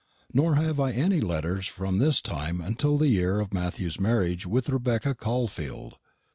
Nor have I any letters from this time until the year of Matthew's marriage with Rebecca Caulfield.